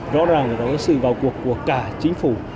rõ ràng có sự vào cuộc của cả chính phủ